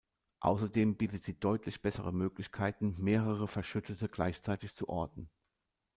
Außerdem bietet sie deutlich bessere Möglichkeiten, mehrere Verschüttete gleichzeitig zu orten.